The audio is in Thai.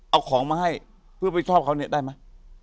เอาของมาให้เพื่อไม่ชอบเขาเนี่ยได้ไหม